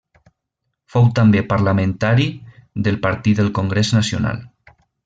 Fou també parlamentari del Partit del Congrés Nacional.